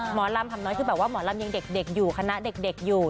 หมอลำหำน้อยคือแบบว่าหมอลำยังเด็กอยู่คณะเด็กอยู่